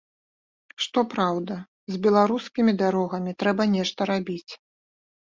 Што праўда, з беларускімі дарогамі трэба нешта рабіць.